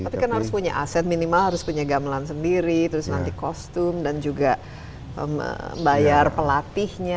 tapi kan harus punya aset minimal harus punya gamelan sendiri terus nanti kostum dan juga bayar pelatihnya